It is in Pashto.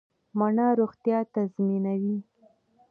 مڼه روغتیا تضمینوي